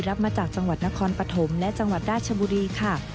รับมาจากจังหวัดนครปฐมและจังหวัดราชบุรีค่ะ